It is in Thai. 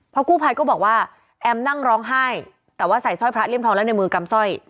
เพราะกู้ภัยก็บอกว่าแอมนั่งร้องไห้แต่ว่าใส่สร้อยพระเลี่ยมทองแล้วในมือกำสร้อย